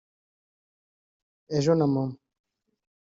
ejo na mama